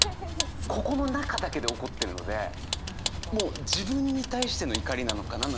ここの中だけで起こってるのでもう自分に対しての怒りなのか。